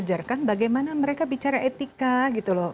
kita harus belajar kan bagaimana mereka bicara etika gitu loh